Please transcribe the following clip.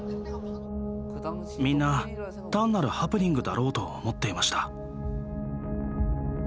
みんな単なるハプニングだろうと思っていました。